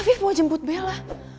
afin mau jemput bella